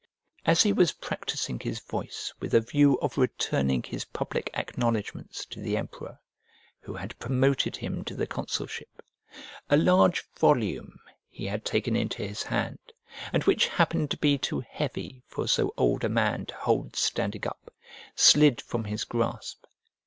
As he was practising his voice with a view of returning his public acknowledgements to the emperor, who had promoted him to the consulship, a large volume he had taken into his hand, and which happened to be too heavy for so old a man to hold standing up, slid from his grasp.